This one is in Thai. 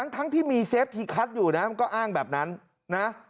ทั้งที่มีเซฟทีคัทอยู่นะมันก็อ้างแบบนั้นนะ